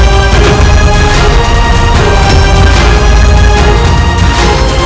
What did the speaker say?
aku akan menangkapmu